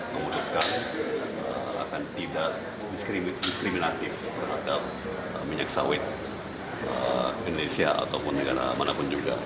memutuskan akan tidak diskriminatif terhadap minyak sawit indonesia ataupun negara manapun juga